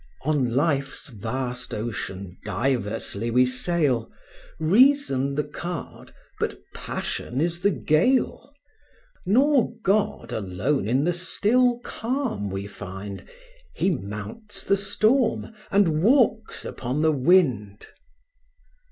On life's vast ocean diversely we sail, Reason the card, but passion is the gale; Nor God alone in the still calm we find, He mounts the storm, and walks upon the wind.